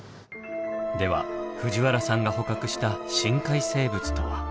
では藤原さんが捕獲した深海生物とは。